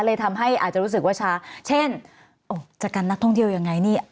เลยทำให้อาจจะรู้สึกว่าช้าเช่นจะกันนักท่องเที่ยวยังไงนี่